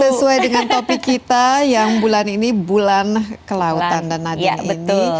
sesuai dengan topik kita yang bulan ini bulan kelautan dan naga ini